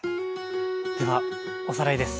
ではおさらいです。